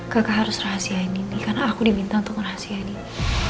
kakak harus rahasiain ini karena aku diminta untuk rahasia diri